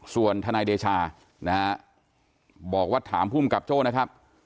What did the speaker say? ส่วนทนายเดชานะฮะบอกว่าถามภูมิกับโจ้นะครับ